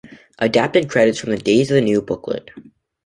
Adapted credits from the "Days of the New" booklet.